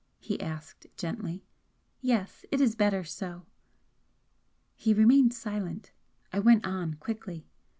he asked, gently. "Yes. It is better so." He remained silent. I went on, quickly.